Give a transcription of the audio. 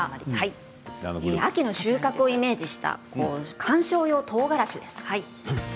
秋の収穫をイメージした観賞用とうがらしです。